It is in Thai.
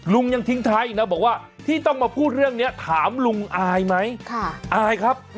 ลุงยังทิ้งท้ายอีกนะบอกว่าที่ต้องมาพูดเรื่องนี้ถามลุงอายไหมอายครับ